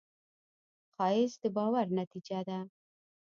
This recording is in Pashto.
ښایست د باور نتیجه ده